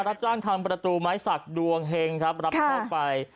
รับจ้างทำประตูไม้สักดวงเฮงครับรับโชคไป